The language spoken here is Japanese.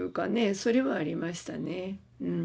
それはありましたねうん。